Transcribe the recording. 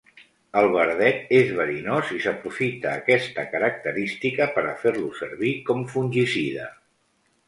El verdet és verinós i s'aprofita aquesta característica per a fer-lo servir com fungicida.